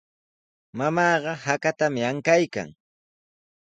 Mamaaqa hakatami ankaykan.